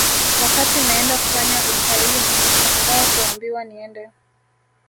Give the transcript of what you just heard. Wakati naenda kufanya usaili nilishangaa kuambiwa niende